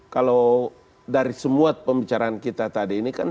kalau dari semua pembicaraan kita tadi ini kan